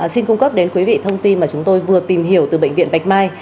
xin cung cấp đến quý vị thông tin mà chúng tôi vừa tìm hiểu từ bệnh viện bạch mai